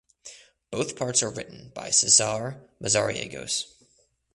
Both parts are written by Cesar Mazariegos.